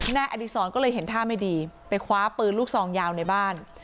นายอดีศรก็เลยเห็นท่าไม่ดีไปคว้าปืนลูกซองยาวในบ้าน